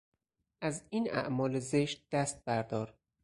از این اعمال زشت دست بردار!